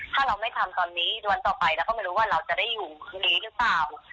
ถ้าเราไม่ทำตอนนี้วันต่อไปเราก็ไม่รู้ว่าเราจะได้อยู่ดีหรือเปล่า